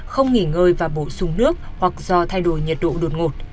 không nghỉ ngơi và bổ sung nước hoặc do thay đổi nhiệt độ đột ngột